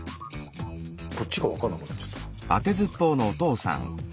こっちが分かんなくなっちゃった。